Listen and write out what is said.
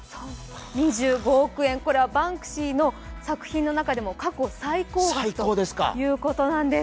２５億円、これはバンクシーの作品の中でも過去最高額ということなんです。